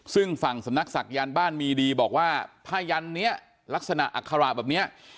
ซึ่งฝั่งสำนักศักยันต์บ้านมีดีบอกว่าผ้ายันนี้ลักษณะอัคระแบบนี้